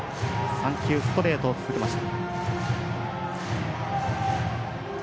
３球ストレートを続けました。